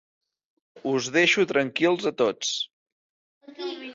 Us deixo tranquils a tots